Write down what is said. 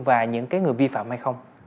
và những người vi phạm hay không